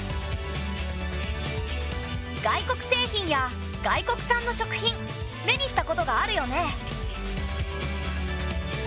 外国製品や外国産の食品目にしたことがあるよね。